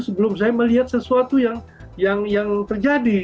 sebelum saya melihat sesuatu yang terjadi